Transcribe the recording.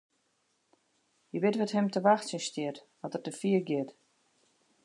Hy wit wat him te wachtsjen stiet as er te fier giet.